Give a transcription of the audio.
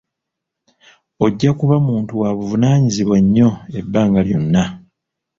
Ojja kuba muntu wa buvunaanyizibwa nyo ebbanga lyonna.